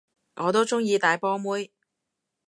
我都鍾意大波妹